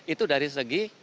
itu dari segi